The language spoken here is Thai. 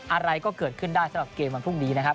อะไรก็เกิดขึ้นได้สำหรับเกมวันพรุ่งนี้นะครับ